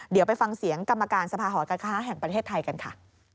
เดี๋ยวไปฟังเสียงกรรมการสภาหอการค้าแห่งประเทศไทยกันค่ะ